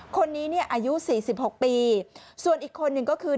คนนี้เนี่ยอายุ๔๖ปีส่วนอีกคนนึงก็คือ